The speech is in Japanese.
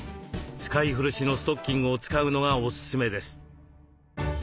使い古しのストッキングを使うのがおすすめです。